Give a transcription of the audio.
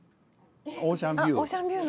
オーシャンビュー？